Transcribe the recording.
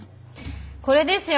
これですよ